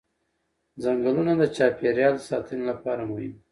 ځنګلونه د چاپېریال د ساتنې لپاره مهم دي